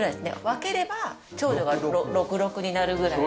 分ければ長女が６６になるぐらい。